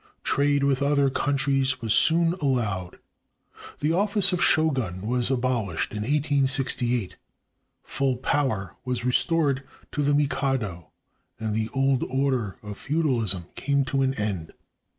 Trade with other countries was soon allowed. The office of shogun was abohshed in 1868, full power was restored to the mikado, and the old order of feudalism came to an end.